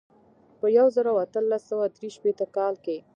په یو زر او اتلس سوه درې شپېته کال کې.